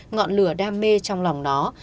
ngọn lửa đam mê trong lòng nó